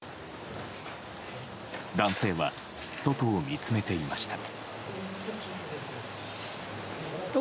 男性は外を見つめていました。